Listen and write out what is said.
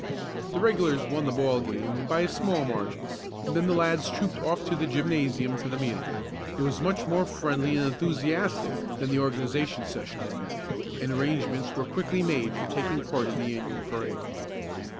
The regulars won the ball game by a small margin, and then the lads trooped off to the gymnasium to the meeting. It was much more friendly and enthusiastic than the organization session had been, and arrangements were quickly made for taking part in the annual parade.